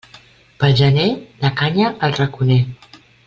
Pel gener, la canya al raconer.